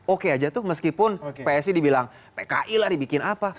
oke aja tuh meskipun psi dibilang pki lah dibikin apa